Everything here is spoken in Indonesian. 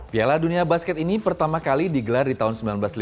piala dunia basket ini pertama kali digelar di tahun seribu sembilan ratus lima puluh